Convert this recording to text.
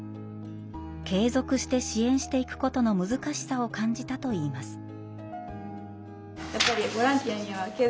継続して支援していく事の難しさを感じたといいます。